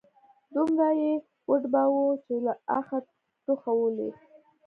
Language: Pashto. دومره يې وډباوه چې له اخه، ټوخه ولوېد